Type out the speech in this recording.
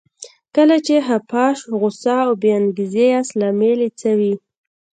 کله چې خپه، غوسه او بې انګېزې ياست لامل يې څه وي؟